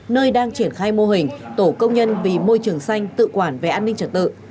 nơi đang triển khai mô hình tổ công nhân vì môi trường xanh tự quản về an ninh trật tự